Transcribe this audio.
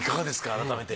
改めて。